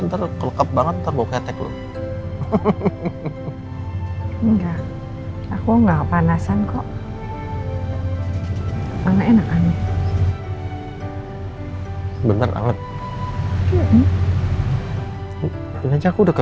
ntar kelekap banget terbuka teklu enggak aku enggak kepanasan kok enggak enak